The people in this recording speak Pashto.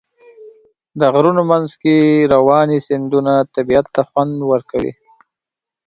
د غرونو منځ کې روانې سیندونه طبیعت ته خوند ورکوي.